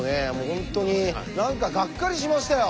本当に何かがっかりしましたよ